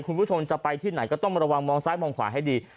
คุณผู้ชมจะไปที่ไหนก็ต้องระวังมองซ้ายมองขวาให้ดี